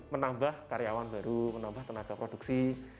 menambah karyawan baru menambah tenaga produksi